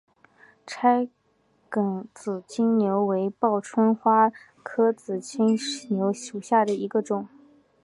折梗紫金牛为报春花科紫金牛属下的一个种。